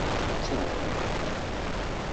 Ttun.